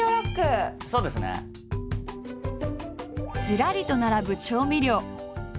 ずらりと並ぶ調味料。